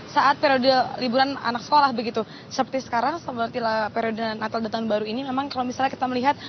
saat periode liburan anak sekolah begitu seperti sekarang seperti periode natal dan tahun baru ini memang kalau misalnya kita melihat